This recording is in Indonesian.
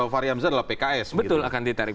fahri hamzah adalah pks betul akan ditarik